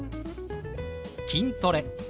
「筋トレ」。